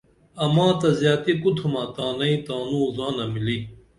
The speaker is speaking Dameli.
اماں تہ زیاتی کُوتُھمہ تانئی تانوں زانہ ملی